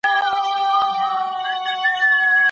ولي د پرمختګ لپاره د یوې قوي ارادې شتون حتمي دی؟